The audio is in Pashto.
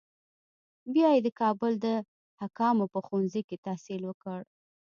بیا یې د کابل د حکامو په ښوونځي کې تحصیل وکړ.